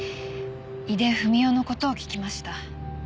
井出文雄の事を聞きました。